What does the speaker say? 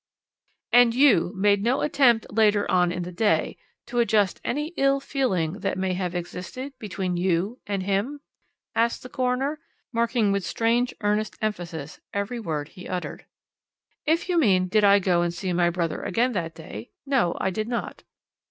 "'And you made no attempt later on in the day to adjust any ill feeling that may have existed between you and him?' asked the coroner, marking with strange, earnest emphasis every word he uttered. "'If you mean did I go and see my brother again that day no, I did not.'